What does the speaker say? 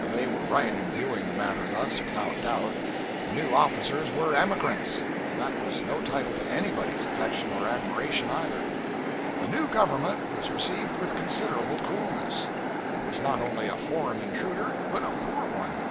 They were right in viewing the matter thus, without doubt. The new officers were "emigrants," and that was no title to anybody's affection or admiration either. The new government was received with considerable coolness. It was not only a foreign intruder, but a poor one.